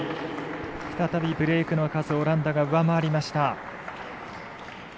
再びブレークの数オランダが上回りました。